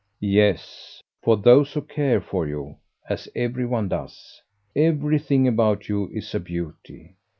"Yes, for those who care for you as every one does. Everything about you is a beauty.